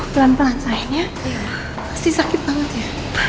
pelan pelan saya pasti sakit banget ya